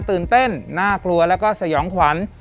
ตื่นเต้นน่ากลัวแล้วก็สยองขวัญ